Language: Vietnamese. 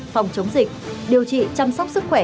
phòng chống dịch điều trị chăm sóc sức khỏe